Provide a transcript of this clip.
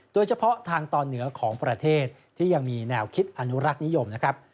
โดยเฉพาะทางตอนเหนือของประเทศที่ยังมีแนวคิดอนุรักษ์นิยมนะครับ